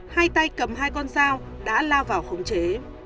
hai tay cầm hai con dao đã lao vào khống chế